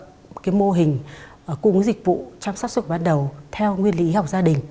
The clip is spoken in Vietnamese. một cái mô hình cùng dịch vụ chăm sóc sức khỏe ban đầu theo nguyên lý y học gia đình